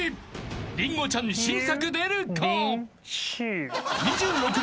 りんごちゃんに新作出るか。